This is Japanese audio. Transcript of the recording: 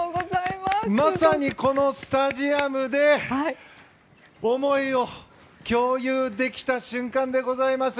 まさに、このスタジアムで思いを共有できた瞬間でございます。